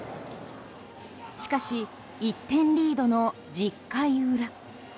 しかし、１点リードの１０回裏。